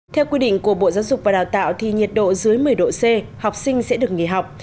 theo quy định của bộ giáo dục và đào tạo thì nhiệt độ dưới một mươi độ c học sinh sẽ được nghỉ học